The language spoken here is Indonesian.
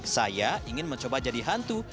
saya ingin mencoba jadi hantu